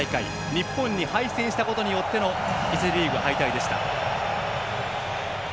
日本に敗戦したことによっての１次リーグ敗退でした。